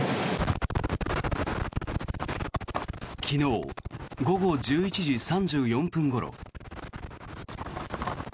昨日午後１１時３４分ごろ。